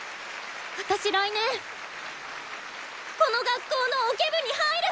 私来年この学校のオケ部に入る！